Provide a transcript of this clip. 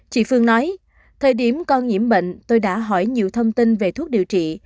chị phương nói thời điểm con nhiễm bệnh tôi đã hỏi nhiều thông tin về thuốc điều trị